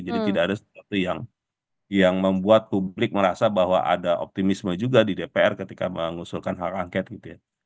jadi tidak ada sesuatu yang yang membuat publik merasa bahwa ada optimisme juga di dpr ketika mengusulkan hal rangket gitu ya